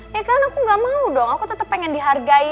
ya kan aku gak mau dong aku tetap pengen dihargai